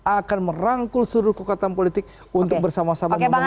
akan merangkul seluruh kekuatan politik untuk bersama sama memenangkan